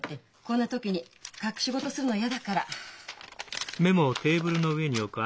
こんな時に隠し事するの嫌だから。